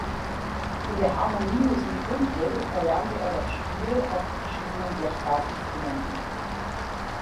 In der Harmoniemusik Hundwil erlernte er das Spiel auf verschiedenen Blechblasinstrumenten.